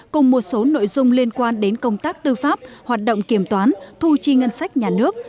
cùng một số nội dung liên quan đến công tác tư pháp hoạt động kiểm toán thu chi ngân sách nhà nước